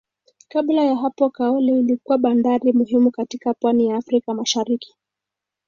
Kabla ya hapo Kaole ilikuwa bandari muhimu katika pwani ya Afrika Mashariki